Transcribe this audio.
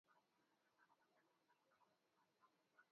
Ameichezea Ufaransa michezo mia moja na nane